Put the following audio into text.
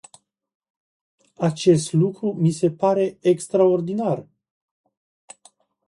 Acest lucru mi se pare extraordinar.